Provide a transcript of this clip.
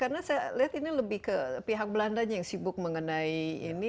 karena saya lihat ini lebih ke pihak belanda yang sibuk mengenai ini